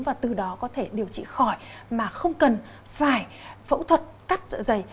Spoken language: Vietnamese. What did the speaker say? và từ đó có thể điều trị khỏi mà không cần phải phẫu thuật cắt dạ dày